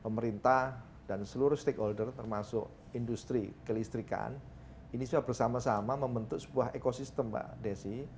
pemerintah dan seluruh stakeholder termasuk industri kelistrikan ini sudah bersama sama membentuk sebuah ekosistem mbak desi